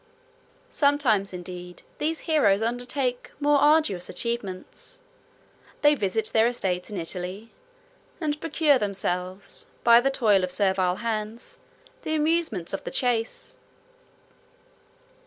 Sometimes, indeed, these heroes undertake more arduous achievements; they visit their estates in Italy, and procure themselves, by the toil of servile hands, the amusements of the chase.